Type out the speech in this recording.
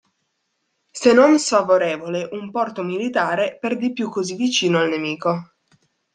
Se non sfavorevole, un porto militare, per di più così vicino al nemico.